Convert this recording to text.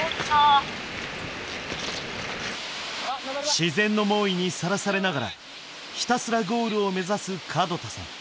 自然の猛威にさらされながらひたすらゴールを目指す門田さん。